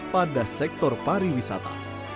pada sektor pariwisata